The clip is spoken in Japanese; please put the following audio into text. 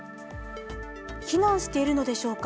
避難しているのでしょうか。